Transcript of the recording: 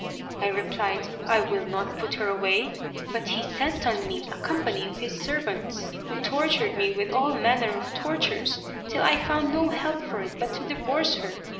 I replied, 'I will not put her away;' but he set on me a company of his servants, who tortured me with all manner of tortures, till I found no help for it but to divorce her.